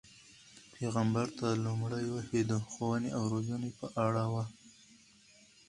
پیغمبر ته لومړنۍ وحی د ښوونې او روزنې په اړه وه.